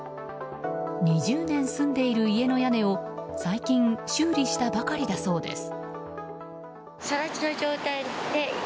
２０年住んでいる家の屋根を最近修理したばかりだそうです。